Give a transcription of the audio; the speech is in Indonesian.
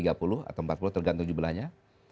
atau empat puluh tergantung jumlahnya